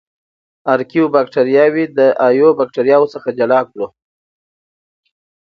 ارکیو باکتریاوې د ایو باکتریاوو څخه جلا کړو.